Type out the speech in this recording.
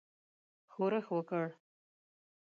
ښورښ وکړ.